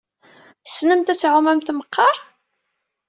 Tessnemt ad tɛumemt meqqar?